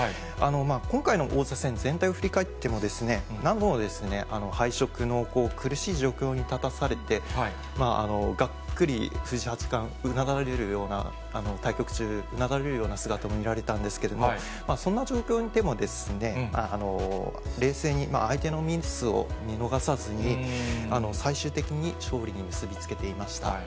今回の王座戦、全体を振り返っても、何度も敗色の苦しい状況に立たされて、がっくり、藤井八冠、うなだれるような、対局中、うなだれるような姿も見られたんですけども、そんな状況でも冷静に相手のミスを見逃さずに、最終的に勝利に結び付けていました。